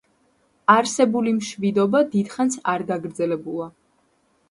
არსებული მშვიდობა დიდხანს არ გაგრძელებულა.